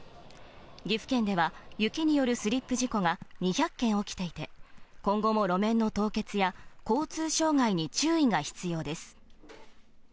岐阜県では、雪によるスリップ事故が２００件起きていて、今後も路面の凍結や交通障害に注意が必要です。